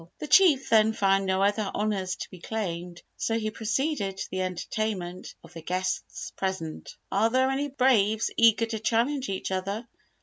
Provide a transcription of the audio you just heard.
The Chief then found no other Honours to be claimed so he proceeded to the entertainment of the guests present. "Are there any Braves eager to challenge each other?"